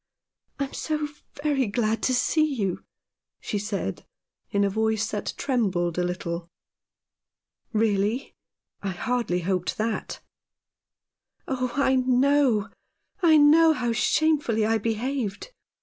" I am so very glad to see you," she said in a voice that trembled a little. " Really ? I hardly hoped that." " Oh, I know, I know how shamefully I behaved.